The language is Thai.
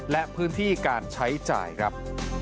และพื้นที่การใช้จ่ายครับ